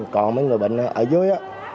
còn mấy người bệnh ở dưới á